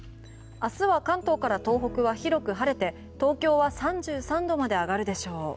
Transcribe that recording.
明日は関東から東北は広く晴れて、東京は３３度まで上がるでしょう。